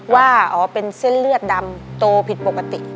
ว่าอ๋อเป็นเส้นเลือดดำโตผิดปกติ